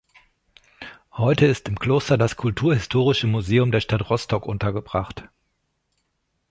Heute ist im Kloster das Kulturhistorische Museum der Stadt Rostock untergebracht.